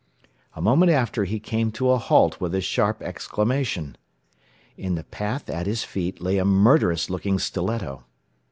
A moment after he came to a halt with a sharp exclamation. In the path at his feet lay a murderous looking stiletto.